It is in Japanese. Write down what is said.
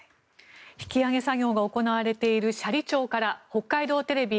引き揚げ作業が行われている斜里町から北海道テレビ